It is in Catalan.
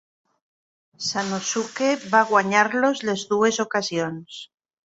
Sanosuke va guanyar-los les dues ocasions.